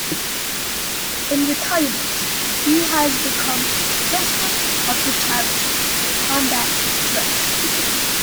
In retirement he has become President of the charity "Combat Stress".